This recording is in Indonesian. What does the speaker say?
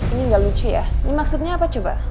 ini nggak lucu ya ini maksudnya apa coba